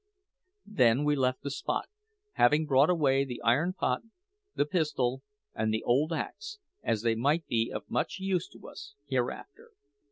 Then we left the spot, having brought away the iron pot, the pistol, and the old axe, as they might be of much use to us hereafter.